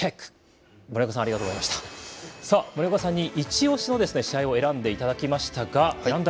森岡さんに一押しの試合を選んでいただきました。